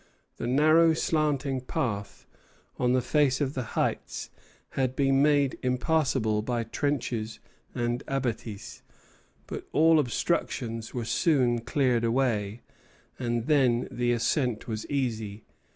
The narrow slanting path on the face of the heights had been made impassable by trenches and abattis; but all obstructions were soon cleared away, and then the ascent was easy.